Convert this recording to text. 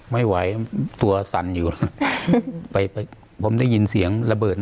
ไม่ไหวตัวสั่นอยู่แล้วไปผมได้ยินเสียงระเบิด